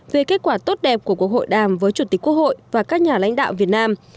về kết quả tốt đẹp của cuộc hội đàm với chủ tịch quốc hội và các nhà lãnh đạo việt nam